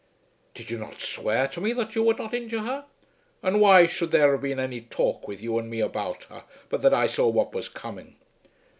"Did you not swear to me that you would not injure her? And why should there have been any talk with you and me about her, but that I saw what was coming?